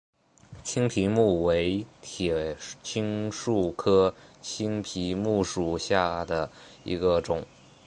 青皮木为铁青树科青皮木属下的一个种。